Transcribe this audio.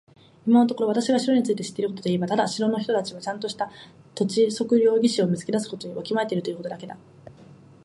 今のところ私が城について知っていることといえば、ただ城の人たちはちゃんとした土地測量技師を見つけ出すことをわきまえているということだけだ。